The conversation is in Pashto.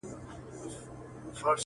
له کچکول سره فقېر را سره خاندي,